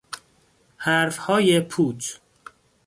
حرفهای پوچ